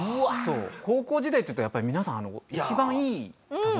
高校時代っていうとやっぱり皆さん一番いい時だと思われるんで。